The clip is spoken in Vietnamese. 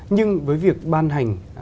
nhưng với việc ban hành